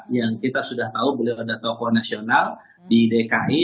yang kita sudah tahu beliau ada tokoh nasional di dki